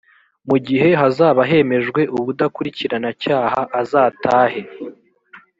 mu gihe hazaba hemejwe ubudakurikirana cyaha azatahe